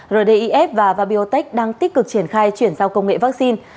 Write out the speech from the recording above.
rdif và biotech đang tích cực triển khai chuyển giao công nghệ vaccine